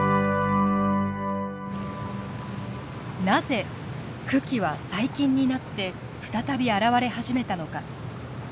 なぜ群来は最近になって再び現れ始めたのか？